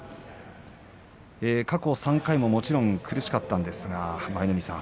過去３回も、もちろん苦しかったんですが舞の海さん